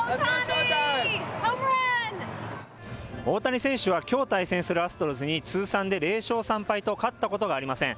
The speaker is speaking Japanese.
大谷選手は、きょう対戦するアストロズに通算で０勝３敗と、勝ったことがありません。